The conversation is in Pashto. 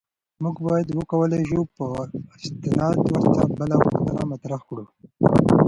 موږ باید وکولای شو په استناد ورته بله غوښتنه مطرح کړو.